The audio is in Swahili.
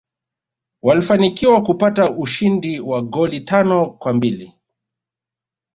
walfanikiwa kupata ushindi wa goli tano kwambili